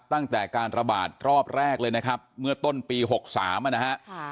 ตั้งแต่การระบาดรอบแรกเลยนะครับเมื่อต้นปี๖๓นะฮะ